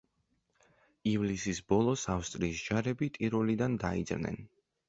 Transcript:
ივლისის ბოლოს ავსტრიის ჯარები ტიროლიდან დაიძრნენ.